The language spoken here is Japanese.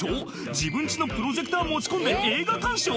自分ちのプロジェクター持ち込んで映画鑑賞？